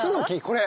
これ？